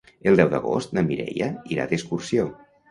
El deu d'agost na Mireia irà d'excursió.